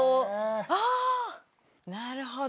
あなるほど。